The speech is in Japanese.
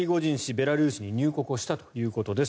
ベラルーシに入国をしたということです。